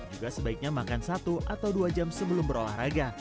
juga sebaiknya makan satu atau dua jam sebelum berolahraga